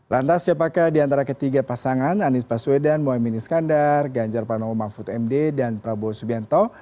lantas siapakah di antara ketiga pasangan anies baswedan mohaimin iskandar ganjar pranowo mahfud md dan prabowo subianto